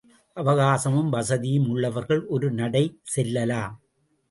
அவகாசமும் வசதியும் உள்ளவர்கள் ஒரு நடை செல்லலாம்.